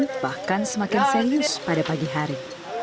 dan bahkan semakin serius pada pagi hari